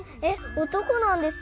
男なんですよ。